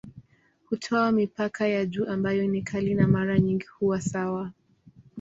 Hutoa mipaka ya juu ambayo ni kali na mara nyingi huwa sawa.